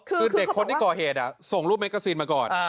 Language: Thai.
คือเด็กคนที่ก่อเหตุส่งรูปเมกกาซีนมาก่อน